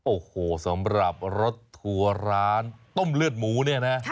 โอ้โหสำหรับรถทัวร์ร้านต้มเลือดหมูเนี่ยนะ